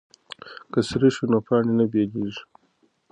که سریښ وي نو پاڼې نه بېلیږي.